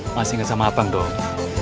masih ingat sama abang dong